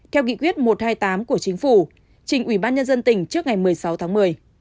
theo nghị quyết một trăm hai mươi tám của chính phủ trình ubnd tỉnh trước ngày một mươi sáu tháng một mươi